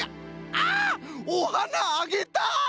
あおはなあげたい！